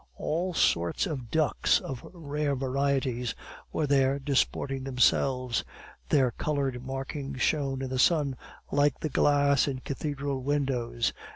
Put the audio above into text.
All sorts of ducks of rare varieties were there disporting themselves; their colored markings shone in the sun like the glass in cathedral windows.